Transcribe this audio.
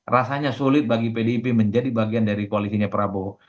rasanya sulit bagi pdip menjadi bagian dari koalisinya prabowo